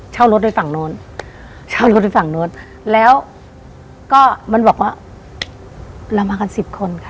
รถโดยฝั่งโน้นเช่ารถในฝั่งโน้นแล้วก็มันบอกว่าเรามากันสิบคนค่ะ